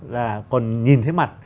là còn nhìn thấy mặt